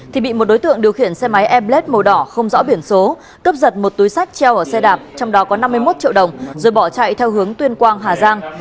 thì bị một đối tượng điều khiển xe máy airblade màu đỏ không rõ biển số cướp giật một túi sách treo ở xe đạp trong đó có năm mươi một triệu đồng rồi bỏ chạy theo hướng tuyên quang hà giang